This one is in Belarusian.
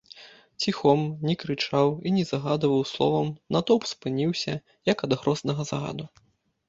Ціхом, не крычаў і не загадваў словам, натоўп спыніўся, як ад грознага загаду.